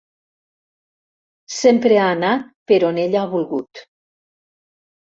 Sempre ha anat per on ella ha volgut.